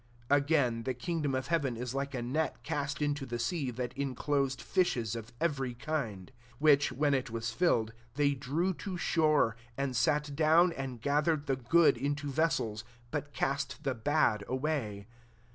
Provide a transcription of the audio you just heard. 47 " Again, the kingdom of heaven is like a net cast into the sea, that inclosed Jishea of every kind : 48 which, when it was filled, they drew to shore, and sat down, and gathered the good into vessels, but cast the bad away.